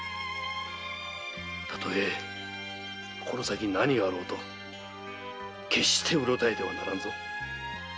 たとえこの先何があろうと決してうろたえてはならぬぞ。